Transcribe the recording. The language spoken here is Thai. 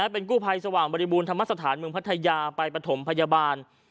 เป็นกู้ภัยสว่างบริบูรณธรรมสถานเมืองพัทยาไปปฐมพยาบาล